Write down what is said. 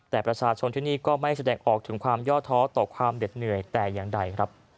แต่ประชาชนที่นี่ก็ไม่แสดงออกถึงความย่อท้อต่อความเหน็ดเหนื่อยแต่อย่างใดครับ